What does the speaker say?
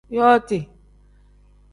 Yooti.